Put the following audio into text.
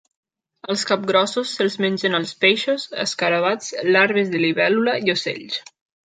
Els capgrossos se'ls mengen els peixos, escarabats, larves de libèl·lula i ocells.